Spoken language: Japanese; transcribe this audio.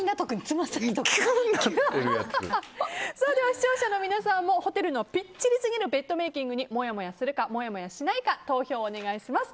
視聴者の皆さんもホテルのピッチリすぎるベッドメイキングにもやもやするか、しないか投票をお願いします。